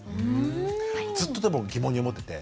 ずっとでも疑問に思ってて。